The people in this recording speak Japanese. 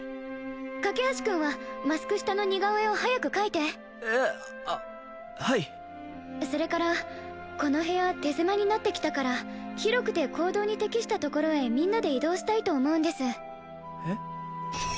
架橋君はマスク下の似顔絵を早く描いてえっあっはいそれからこの部屋手狭になってきたから広くて行動に適したところへみんなで移動したいと思うんですえっ？